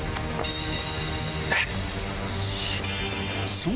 そう！